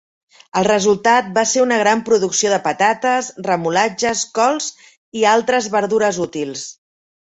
El resultat va ser una gran producció de patates, remolatxes, cols i altres verdures útils.